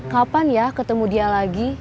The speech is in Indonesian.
kapan ya ketemu dia lagi